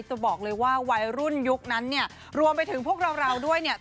จะบอกเลยว่าวัยรุ่นยุคนั้นเนี่ยรวมไปถึงพวกเราเราด้วยเนี่ย